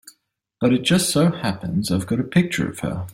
But it just so happens I've got a picture of her.